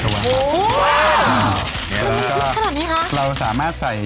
ตัวสเปรย์